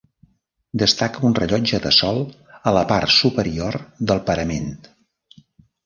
Destaca un rellotge de sol a la part superior del parament.